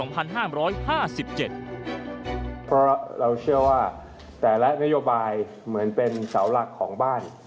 เพราะเราเชื่อว่าแต่ละนโยบายเหมือนเป็นเสาหลักของบ้าน